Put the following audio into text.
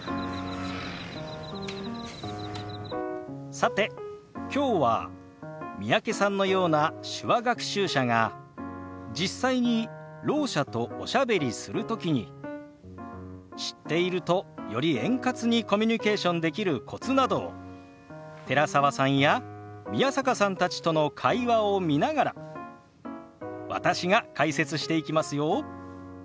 さてきょうは三宅さんのような手話学習者が実際にろう者とおしゃべりする時に知っているとより円滑にコミュニケーションできるコツなどを寺澤さんや宮坂さんたちとの会話を見ながら私が解説していきますよ。